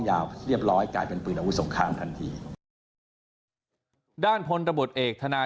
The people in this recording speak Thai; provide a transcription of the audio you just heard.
ยาวเรียบร้อยกลายเป็นปืนอาวุธสงครามทันทีด้านพลตะบดเอกธนา